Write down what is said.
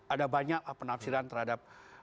ada banyak penafsiran terhadap